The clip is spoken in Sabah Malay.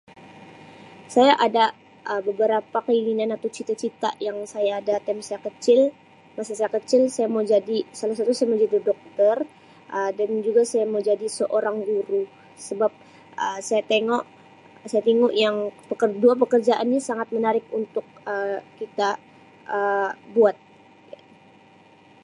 "Saya ada Um beberapa keinginan atau cita-cita yang saya ada ""time"" saya kecil masa saya kecil saya mau jadi [unintelligible] saya mau jadi Doktor Um dan juga saya mau jadi seorang Guru sebab Um saya tengok saya tengok yang dua pekerjaan ni menarik untuk Um kita Um buat. "